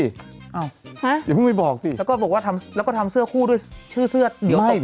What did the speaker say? อ้าวอย่าเพิ่งไปบอกสิแล้วก็บอกว่าทำเสื้อคู่ด้วยชื่อเสื้อเดี่ยวตกปาก